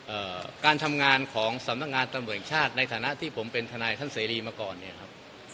เอ่อการทำงานของสำนักงานตำรวจแห่งชาติในฐานะที่ผมเป็นทนายท่านเสรีมาก่อนเนี่ยครับ